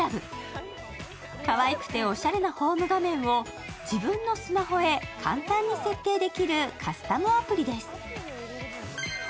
かわいくておしゃれもホーム画面を自分のスマホへ簡単に設定できるカスタムアプリです。